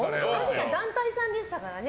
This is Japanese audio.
団体さんでしたからね。